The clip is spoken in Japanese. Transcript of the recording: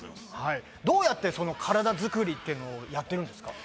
どうやってその体づくりっていうのをやってるんですか？